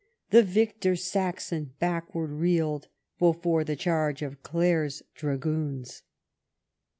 The victor Saxon backward reeled Before the charge of Clare's dragoons.''